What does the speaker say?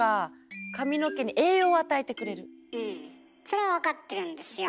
それは分かってるんですよ。